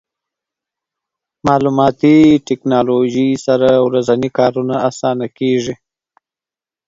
مالوماتي ټکنالوژي سره ورځني کارونه اسانه کېږي.